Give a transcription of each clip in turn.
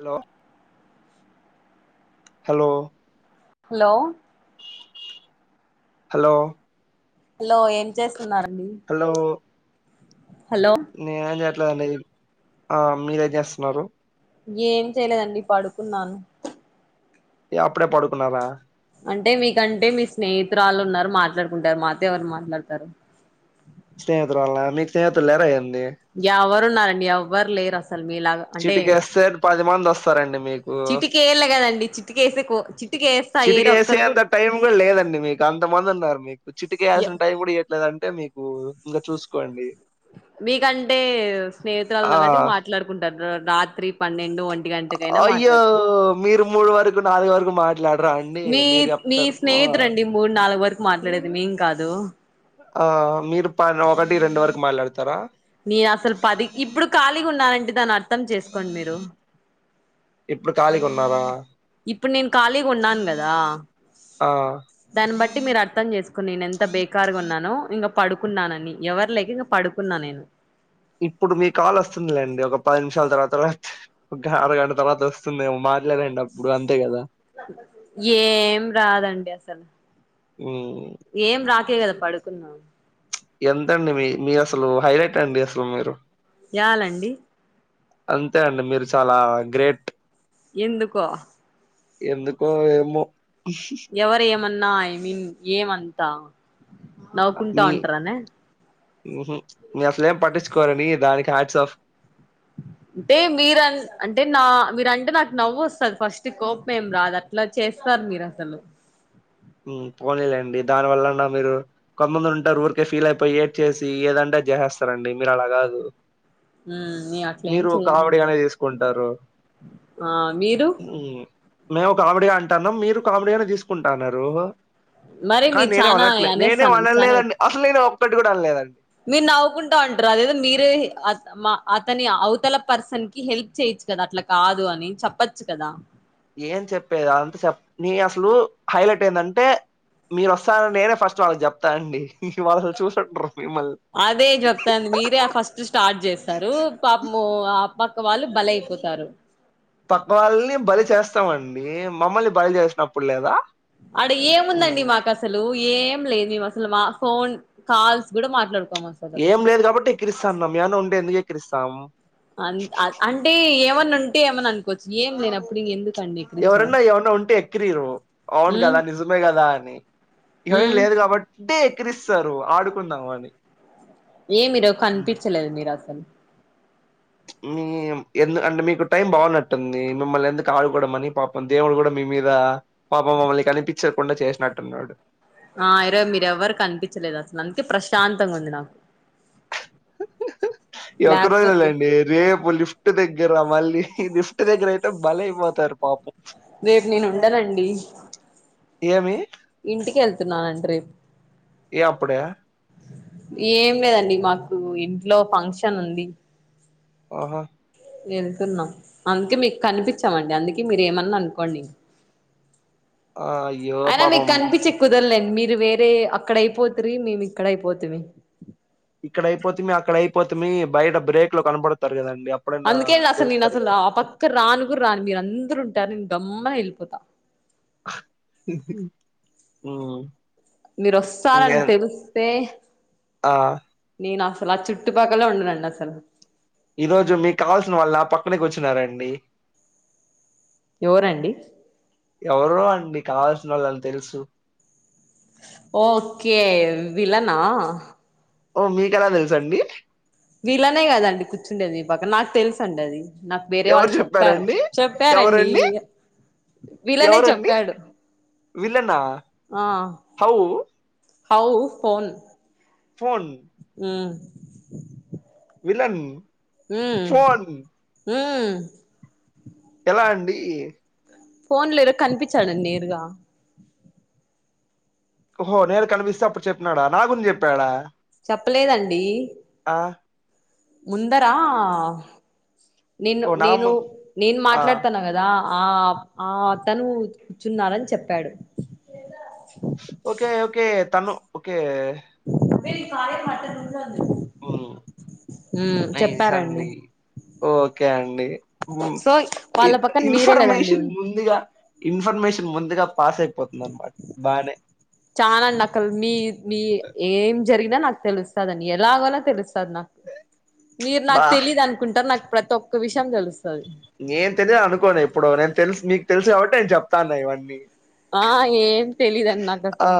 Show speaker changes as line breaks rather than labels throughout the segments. Hello hello
hello
hello
hello ఏం చేస్తున్నారండి
hello
hello
నేనేం చేయట్లేదండి ఆ మీరేం చేస్తున్నారు
ఏం చేయలేదండి పడుకున్నాను
ఏ అప్పుడే పడుకున్నారా
అంటే మీకంటే మీ స్నేహితురాళ్ళున్నారు మాట్లాడుకుంటారు మాతో ఎవరు మాట్లాడతారు
స్నేహితురాల్ల మీకు స్నేహితులు లేర ఏందీ
యవరున్నారండి యవ్వర్ లేరసలు మీలాగ అంటే
చిటికేస్తే పది మంది వస్తారండి మీకు
చిటికేయ్యాల కదండి చిటుకేస్తే కో చిట్ చీటీకేస్తా ఏ
చిటికేసే
రొక్కరు కూడ
అంత టైం కూడా లేదండి మీకు అంత మంది ఉన్నారు మీకు చిటిక ఏయాల్సిన టైం కూడా ఇయ్యట్లేదంటే మీకు ఇంకా చూసుకోండి
మీకంటే
ఆ
స్నేహితురాలున్న కాబట్టి మాట్లాడు కుంటరు రాత్రి పన్నెండు ఒంటి గన్
అయ్యో మీరు మూడు వరకు నాలుగు వరకు మా ట్లాడరా అండి
మీ
మీరు
మీ
చెప్తరు
స్నేహితురండి మూడు నాలుగు వరకు మాట్లాడేది మేం కాదు
ఆ మీరు ప ఒకటి రెండు వరకు మాట్లాడతారా
నేను అసలు పది ఇప్పుడు ఖాళీగున్నానంటె దానీ ఆర్
ఇప్పుడు కాలీగున్నారా
ఇప్పుడు నేను కాలిగా ఉన్నాను గదా
ఆ
దాన్ని బట్టి మీరు అర్థం చేసుకుని నేనెంత బేకార్గున్నానో ఇంగా పడుకున్నానని ఎవరు లేక ఇంక పడుకున్నా నేను
ఇప్పుడు మీ కాల్ వస్తుందిలేండి ఒక పది నిమిషాల తర్వాత రాత్ ఒక్క అరగంట తర్వాత వస్తుందేమో మాట్లాడండప్పుడు అంతే గదా
ఏం రాదండి అసల
మ్మ్
ఏం రాకే కదా పడుకున్నా
ఎంతండి మీ మీరసలు హైలైట్ అండి అసలు మీరు
యాలండి
అంతే అండి మీరు చాలా గ్రేట్
ఎందుకో
ఎందుకో ఏమో
ఎవరేమన్నా న్నా ఐ మీన్ ఏమంతా నవ్వుకుంటా
మీ
ఉంటారనే
ఊహు మీరు అసలేం పట్టించుకోరని దానికి హార్ట్స్ ఆఫ్
అంటే మీరన్ అంటే నా మీరంటే నాకు నవ్వుస్తది ఫస్ట్ నాకు కోపం ఏం రాద అట్ల చేస్తారు మీరసలు
ఉమ్ పోనిలేండి దాని వల్లన్నా మీరు కొంతమంది ఉంటారు ఊరికే ఫీల్ అయిపోయి ఏడ్చేసి ఏదంటే ఆది జసేస్తారండి మీరలా కాదు
మ్మ్ నేను అట్లేం
మీరు
చెయ్యను
కామెడీగానే తీసుకుంటారు
ఆ మీరు
ఉమ్ మేము కామెడీగంటానామ్ మీరు కామెడీ గానే తీసుకుంటన్నారు
మరి
కానీ
మీరు
నేనే
చానా
వనట్లేదు నేనే
అనేస్తాను చానా
మనలేదండి అసలు నేనొక్కటి కూడా అనలేదండి
మీరు నవ్వుకుంటా అంటారు అదేదో మీరే మా అతని అవతల పర్సన్కి హెల్ప్ చేయొచ్చు కదా అట్లా కాదు అనీ చెప్పచ్చు కదా
ఏం చెప్పేది అదంతా చెప్పన నే అసలు హైలైట్ ఏందంటే మీరోస్తారని నేనే ఫస్ట్ వాళ్ళకి చెప్తా అండి వాళ్ళు చూసుండరు
అదే చెప్తాంది మీరే ఆ ఫస్ట్ స్టార్ట్ చేస్తారు పాపము ఆ పక్క వాళ్ళు బలైపోతారు
పక్క వాళ్ళని బలి చేస్తామండి మమ్మల్ని బలి చేసినప్పుడు లేదా
అడ ఏముందండి
హ్మ్.
మాకసలు అసలు ఏం లేదు మేము అసలు మా ఫోన్ కాల్స్ కూడా మాట్లాడుకుం
ఏం లేదు కాబట్టి ఎక్కిరిస్తాన్నా ఏమన్న ఉంటే ఎందుకేకిరిస్తాం
అంత అంటే ఏమనుంటే ఏమన్ననుకోవచ్చు ఏమ్ లేనప్పుడు ఎందుకండి
ఎవరన్నా ఏమన్నా ఉంటే ఎక్కిరియ్యరు అవును
మ్మ్
కదా నిజమే కదా అని ఏం
మ్మ్
లేదు కాబట్టి టే ఎక్కిరిస్తరూ ఆడుకుందాం అని
ఏ మీరు
హ్మ్.
కనిపించలేదు మీరసలు
ఏం ఎందుకు అంటే మీకు టైం బాగునట్టుంది మిమ్మల్ని ఎందుకు ఆడుకోడం మనీ పాపం దేవుడు కూడా మీ మీదా పాపం మిమ్మల్ని కనిపించకుండా చేసినట్టున్నాడు
ఆ ఈరోజు మీరెవ్వరు కనిపించలేదసలు అందుకే ప్రశాంతంగుంది నాకు
ఈ ఒక్క
లేకపోతే
రోజెలేండి రేపు లిఫ్ ట్ దగ్గర మళ్ళీ లిఫ్ట్ దగ్గర అయితే బలై పోతారు పాపం
రేప్ నేనుండనండీ
ఏమి
ఇంటికెళ్తున్నానండి రేప్
ఏ అప్పుడే
ఏం లేదండి మాకు ఇంట్లో ఫంక్షన్ ఉంది
ఆహా
వెళ్తున్నాం అందుకే మీకు కనిపించమండి అందుకే మీరేమన్నా అనుకోండి
ఆ! అయ్యో
అయినా మీకు
పాపం
కనిపించే కుదరలేండి మీరు వేరే అక్కడ అయిపోతురి మేమిక్కడ అయిపోతిమి
ఇక్కడైపోతిమీ అక్కడైపోతిమీ బయట బ్రేక్ లో కనపడతరు కదండి అ
అందుకేగా అసలు నేనసలు ఆ పక్క రాను గూడ రాను మీరందరుంటారు నేను గమ్మునెళ్ళిపోతా
ఉ
మీరోస్తారని తెలిస్తే
ఆ
నేనసలు ఆ చుట్టుపక్కల ఉండనండసలు
ఈ రోజు మీకావల్సిన వాళ్ళు నా పక్కనే కూర్చున్నారండి
ఎవరండి
ఎవరో అండి కావల్సిన వాళ్ళని తెలుసు
ఓకే విలనా
ఓ మీకెలా తెలుసండి
విలనే కదండి కూర్చుండేది ఈ పక్క నాకు తెలుసండది నాకు వేరే
ఎవరు
వాళ్ళు చెప్పారు
చెప్పారండి
చెప్పారండి
ఎవరండి
విలనే
ఎవరండి
చెప్పాడు
విలనా
ఆ
హౌ
హౌ ఫోన్
ఫోన్
ఉ
విలన్
ఉ
ఫోన్
ఊ
ఎలా అండి
ఫోన్ లోరు కనిపించాడండి నేరుగా
హొ నేను కనిపిస్తే అప్పుడు చెప్పినాడా నా గుని చెప్పాడా
చెప్పలేదండి
ఆ
ముందరా నేను
ఓ నా
నేను
ముం
నేను
ఆ
మాట్లాడుతన్నా కదా ఆ ఆ అతను కూర్చున్నారని చెప్పాడు
ఓకే ఓకే తను ఓకే
ఉ
మ్మ్ నైస్
చెప్పారండి
అండి ఓకే అండి ఉ
సో వాళ్ళ
ఇన్
పక్కన మీరే కదండి
ఇన్ఫర్మేషన్ ముందుగా ఇన్ఫర్మేషన్ ముందుగా పాస్ అయిపోతుంది అనమాట బానే
చానండి అక్క మీ మీ ఏం జరిగినా నాకు తెలుస్ తాదని ఎలాగోలా తెలుస్తది నాకు మీరు నాకు
బా
తెలీదు అను కుంటారు నాకు ప్రతి ఒక్క విషయం తెలుస్తాది
నేను తెలిదు అనుకోను ఎప్పుడు నేను తెలుసు నీకు తెలుసు కాబట్టి నేను చెప్తాన్నా ఇవన్నీ
ఆ ఏం తెలీదు అండి నాకు అసలు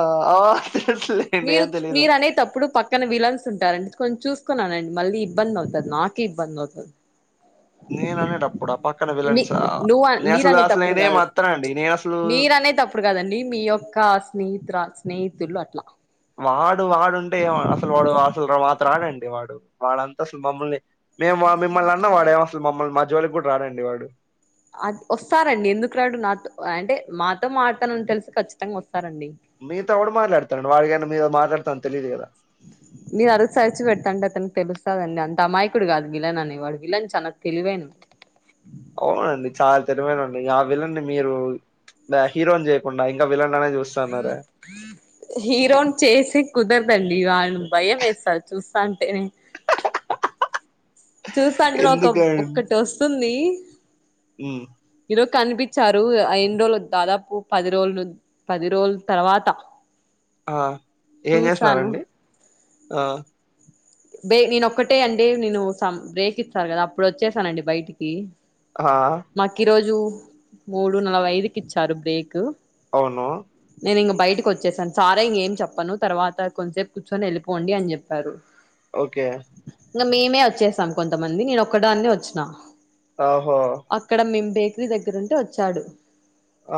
తెలుసులే
మీరు మీరు అనేతప్పుడు పక్క క్కన విలన్స్ ఉంటారండి కొంచం చూసుకొని ఆనండి మళ్ళీ ఇబ్బంది అవుతాది నాకే ఇబ్బంది అవుతాది
నేను అనేటప్పుడా పక్కన
మీ
విలన్సా
నువ్వు
నేను
మీరు
అసలు అసలు
అనేటప్పుడు
నేనేమి అరుత్తనండి నేను అసలు
ఇప్పుడు కదండి మీ యొక్క స్నేహితురా స్నేహితులు అట్లా
వాడు వాడుంటే ఏం అసలు వాడు అసలు మాతో రాడండి వాడు వాడంతా అసలు మమ్మల్ని మేము మిమ్మల్ని అన్న వాడేమి అసలు మమ్మల్ని మా జోలికి కూడా రాడండి వాడు
అది వస్తారండి ఎందుకు రాడు నాతో అంటే మాతో మాడతానని తెలిసి ఖచ్చితంగా వస్తారండి
మీతో ఎవడు మాట్లాడతాండు వాడికనా మీతో మాట్లాడతాని తెలిదు కదా
మీరు అరుసా ఇచ్చి పెతాంటే అతనికి తెలుస్తాదండి అంతా అమాయకుడు కాదు విలన్ అని వాడు విలన్ చానా తెలివైనొ
అవునండి చాలా తెలివైనండి ఆ విలన్ ని మీరు హీరోని చేయకుండా ఇంకా విలన్ లానే చూ
హీరోను చేసి కుదరదండి వాన్ని భయమేసాది చూస్తాంటేనే చూస్తాంటేనే ఒక
ఎందుకండి
ఒక్కటి వసుంది ఈరోజు కనిపించారు ఆ ఎన్ని రోజులు దాదాపు పది రోజులు పది రోజుల తర్వాత
ఆ ఏం
చూసాను
చేసినారంండి ఆ
బే నేనొక్కటే అండి నేను సం బ్రేక్ ఇస్తారు కదా అప్పుడు వచ్చేసానండి బయటికి
ఆ
మాకు ఈరోజు మూడు నలభై ఐదుకి ఇచ్చారు బ్రేకు
అవును
నేను ఇంగ బయటకి ఓచ్చేసాను సారే ఇంగ ఏం చెప్పను తర్వాత కొంసేపు కూర్చొని వెళ్ళిపోండి అని చెప్పారు
ఓకే
ఇంగ మేమే ఓచ్చేసాం కొంతమంది నేను ఒక్కడాన్నే ఓచ్చిన
ఆహో
అక్కడ మేం బేకరీ దగ్గర ఉంటే వచ్చాడు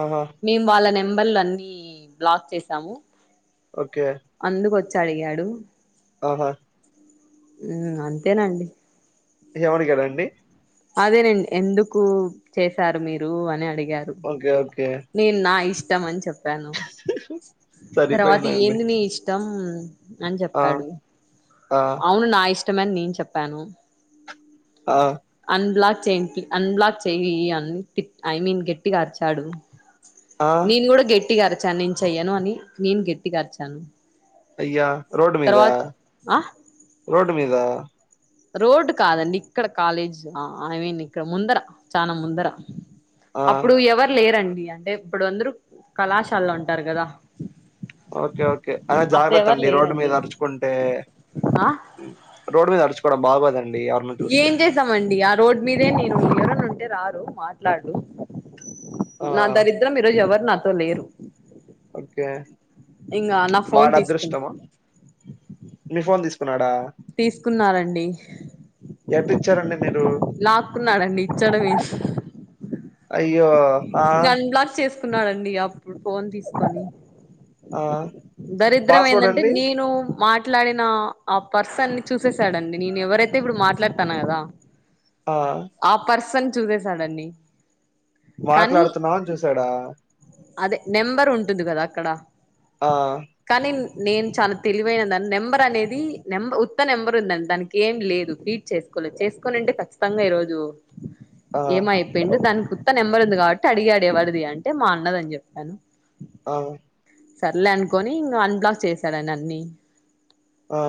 ఆహ
మేము వాళ్ళ నెంబర్లు అన్ని బ్లాక్ చేసాము
ఓకే
అందుకొచ్చి అడిగాడు
ఆహ
ఉమ్మ్ అంతేనండి
ఏం అడిగాడు అండి
అదేనండి ఎందుకు చేశారు మీరు అని అడిగారు
ఓకే ఓకే
నేను నా ఇష్టం అని చెప్పాను తర్వాత
సరిపోయిందండి.
ఏంది నీ ఇ ష్టం అని
ఆ!
చెప్పాడు
ఆ!
అవును నా ఇష్టమే అని నేను చెప్పాను
ఆహ్
అన్బ్లాక్ చేపి అన్బ్లాక్ చేయి అన్ని తింటాం ఐ మీన్ గట్టిగా అరిచాడు
ఆ!
నేను కూడా గట్టిగా అరిచాను నేను చెయ్యను అని నేను గెట్టిగా అరిచాను
అయ్యా రోడ్ మీదా
తర్వాత ఆ
రోడ్ మీదా
రోడ్డు కాదండి ఇక్కడ కాలేజ్ అవే ఇక్కడ ముందర చానా ముందర
ఆ!
అప్పుడు ఎవరు లేరండి అంటే ఇప్పుడు అందరు కళాశాలలో ఉంటారు కదా
ఓకే ఓకే అలా
అప్పుడు ఎవరు
జాగ్రత్తండి రోడ్డు మీద
లేరండి
అర్చుకుంటే
ఆ
రోడ్ మీద అర్చుకోవడం బాగోదండి ఎవర్న చూస్తే
చుస్తామండి ఆ రోడ్డు మీదే నేను ఎవరన ఉంటే రారు మాట్లాడు
ఆ!
నా దరిద్రం ఈరోజు ఎవరు నాతో లేరు
ఓకే.
ఇంకా నా ఫోన్
వాడి
తీసుకు
అదృష్టమా? మీ ఫోన్ తీస్కున్నాడా
తీసుకున్నారండి
ఎట్టిచ్చారండి మీరు?
లాక్కున్నాడండి ఇచ్చడ వేస్
అయ్యో ఆ!
ఇంగ అన్బ్లాక్ చేస్కున్నాడండి అప్పుడు ఫోన్ తీస్కొని
ఆ!
దరిద్రం ఏందంటే
పాస్వర్డండి?
నేను మాట్లాడిన ఆ పర్సన్ని చూససాడండి నేను ఎవరైతే ఇప్పుడు మాట్లాడ్తాను కదా
ఆ
ఆ పర్సన్ చూసేశడండీ
మాట్లాడ్తున్నావు అని చూసాడా
అదే నెంబర్ ఉంటుంది కదా అక్కడ
ఆ
కానీ నేను చాలా తెలివైనదా నెంబర్ అనేది నెంబర్ ఉత్త నెంబర్ ఉందంట దానికేం లేదు చేస్కోలేదు చేసుకోనంటేట ఖచ్చితంగా ఈరోజు
ఆ!
ఏమైపోయిండు దానికి ఉత్త నెంబరుంది కాబట్టి అడిగాడు ఎవరిది అంటే మా అన్నదని చెప్పాను
ఆహ్
సర్లే అనుకొని ఇం అన్బ్లాక్ చేశాడు అండి అన్ని
ఆ!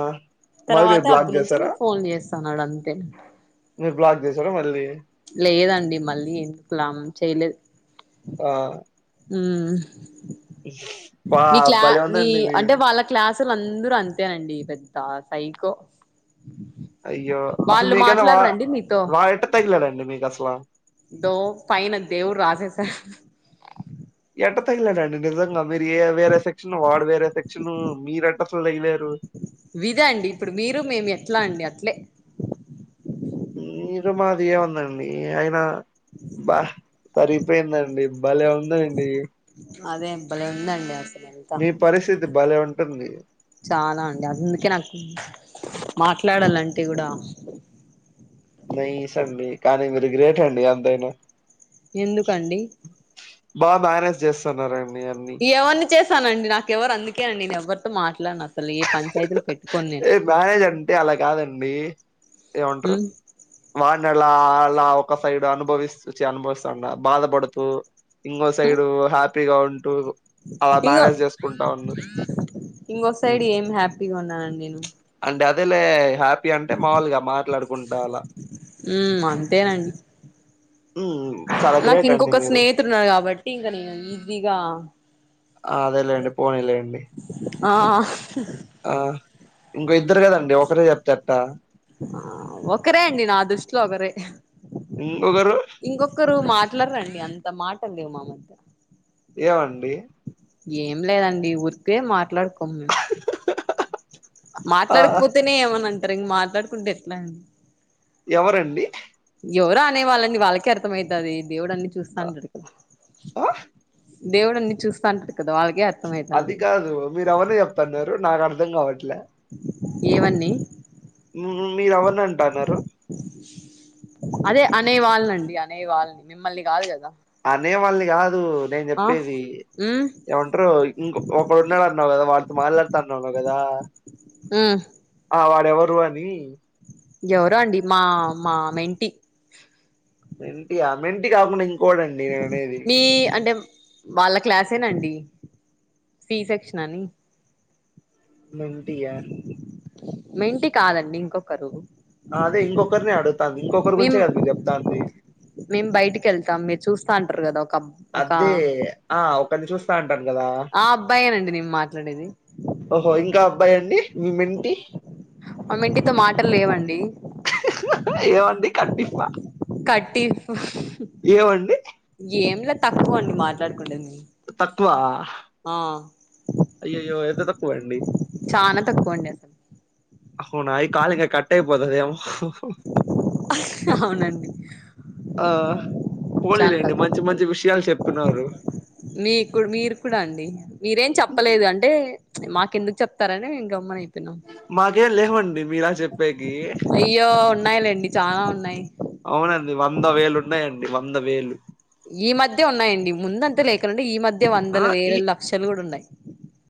మరి
తర్వాత
మీరు
అబ్బు
బ్లాక్
నుంచి
జేసారా?
ఇంక ఫోన్ చేస్తాన్నాడు అంతే
మీరు బ్లాక్ చేసార మళ్ళీ
లేదండి మళ్ళీ ఎందుకులం చేయ్లేదు
ఆహ్
ఉమ్మ్
బా
ఇట్లా
భలే
నీ
ఉందండి
అంటే
మీది.
వాళ్ళ క్లాసుల అందరూ అంతేఅండి పెద్ద సైకో
అయ్యో అసలు
వాళ్ళు
మీకైనా
మాట్లాడరండి మీతో
వా-వడెట్ట తగిలాడండి మీకు అసల
అయ్యో ఫైన దేవుడు రాసెసాడు
ఎట్ట తగిలేడండి నిజంగా మీరు ఏ వేరే సెక్షన్ వాడు వేరే సెక్షన్ మీరు ఎట్ట అసలు తగిలేరు
విదండి ఇప్పుడు మీరు మేము ఎట్లా అండి అట్లే
మీరు మాదియే ఉందండి అయిన బా సరిపోయిందండి భలే ఉంటదండి
అదే భలేఉందండి
మీ పరిస్థితి భలే ఉంటుంది
చాలా అండి అందుకే నాకు మాట్లాడాలంటే కూడా
నైస్ అండి కానీ మీరు గ్రేటండి ఎంతైనా
ఎందుకండి
బా మేనేజ్ జేస్తున్నారండి అన్నీ
ఎవరిని చేశానండి నాకు ఎవరు అందుకే అండి నేను ఎవరితో మాట్లాడను అసలు ఏ పంచాయతీలు పెట్టుకోను నేను
ఏ మేనేజ్ అంటే అలా కాదండి ఏమంటారు
ఉమ్
వాడ్ని అలా అలా ఒక సైడ్ అనుభవిస్తు చి అనుభవిస్తాండా బాధపడుతూ ఇంకో సైడు హ్యాపీగా ఉంటూ అలా మేనేజ్ చేసుకుంటా ఉండు
ఇంకొ సైడ్ ఏం హ్యాపీగా ఉన్నా అండి నేను
అంటే అదేలే హ్యాపీ అంటే మాములుగా మాట్లాడుకుంటా అలా
ఉమ్ అంతేనండి
ఉమ్ చాలా
నాకు
గ్రేట్ అండి
ఇంకొక
మీరు.
స్నేహితుడున్నాడు కాబట్టి ఇంక నేను ఈజీగా
ఆ అదేలేండి పోనీలేండి
ఆ
ఆ ఇంకో
ఉమ్
ఇద్దరు కదండీ ఒకరే చెప్తే ఎట్టా?
అ ఒక్కరే అండి నా దృష్టిలో ఒకరే
ఇంకొకరు
ఇంకొకరు మాట్లాడరండి అంత మాటలు లేవు మా మధ్య
ఏమండి
ఏం లేదండి ఊరికే మాట్లాడుకోం మేం
అహ అహ అహ
మాట్లాడకపోతేనే ఏమన అంటారు ఇంక మాట్లాడుకుంటే ఎట్లా అండి
ఎవరండి
ఎవరో అనే వాళ్ళండి వాళ్ళకే అర్థమైతది దేవుడన్ని
అ
చూస్తాంటడు కదా
ఆ!
దేవుడన్ని చూస్తా ఉంటడు కదా వాళ్ళకె
అది కాదు మీరు ఎవర్ని చెప్తన్నారు నాకర్ధం కావట్లే
ఏవన్నీ
ఉమ్ మీరు ఎవరిని అంటన్నారు
అదే అనే వాళ్ళనండి అనే వాళ్ళని మిమ్మల్ని కాదు కదా
అనే వాళ్ని కాదు నేను
ఆ
చెప్పేది
ఉమ్
ఏమంటారు ఇంకో ఒకడు ఉన్నాడు అన్నావు కదా వాడితో మాట్లాడుతా అన్నావు కదా
ఉమ్
అ వాడెవరు అని
ఎవరో అండి మా మా మెంటి
మెంటి అ మెంటి గకుండా ఇంకోడండి నేను అనేది
టి అంటే వాళ్ళ క్లాసేనండి సి సెక్షన్ అని
మెంటియా
మెంటి కాదండి ఇంకొకరు
అదే ఇంకొకరినే అడుగుతాంది ఇంకొకరి
మేం
గురించే కదా మీరు చెప్తాంది
మేం బయటికెళ్తాం మీరు చూస్తా ఉంటారు కదా ఒక అబ్ ఒక
అదే. ఆ ఒకర్ని చూస్తా ఉంటాను కదా
అ అబ్బాయేనండి నేను మాట్లాడేది
ఓహో ఇంకా అబ్బాయి అండి మి మేంటి
మా మెంటితో మాటలు లేవండి
ఏమండి కట్టిఫా
కట్టిఫ్
ఏవండి?
ఏంలే తక్కువండి మాట్లాడుకుండేది మేము
తక్కువ
ఆ
అయ్యయ్యో ఎంత తక్కువండి
చానా తక్కువ అండి అసల
అవునా ఈ కాల్ ఇగ కట్టయిపోతదేమో
రండి
ఆ పోలెలేండి, మంచి మంచి విషయాలు చెప్తున్నారు.
మీకు మీరు కూడ అండి. మీరేం చెప్పలేదు అంటే, మాకెందుకు చెప్తారని మేం గమ్మున అయిపోయినం.
మాకేం లేవండి, మీలా చెప్పేకి
ఆ ఉన్నయి
అవునండి వంద వేలు ఉన్నయండి, వంద వేలు
ఈ మధ్యే ఉన్నాయండి, ముందంతే లేకనుండే ఈ మధ్యే వందల,
ఆ ఈ
వేల, లక్షలు గుడ ఉన్నయ్.